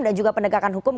dan juga penegakan hukum